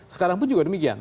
sekarang pun juga demikian